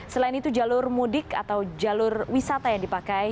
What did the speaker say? selain itu jalur mudik atau jalur wisata yang dipakai